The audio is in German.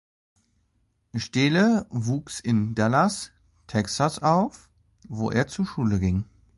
Steele wuchs in Dallas, Texas auf, wo er zur Schule ging.